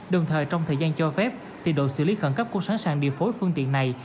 đồng thời trong thời gian cho phép thì đội xử lý khẩn cấp cũng sẵn sàng điều phối phương tiện này